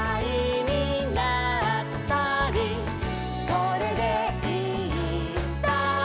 「それでいいんだ」